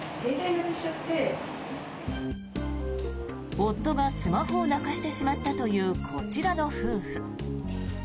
夫がスマホをなくしてしまったというこちらの夫婦。